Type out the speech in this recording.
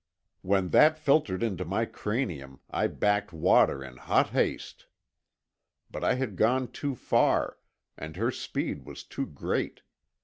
When that filtered into my cranium I backed water in hot haste; but I had gone too far, and her speed was too great.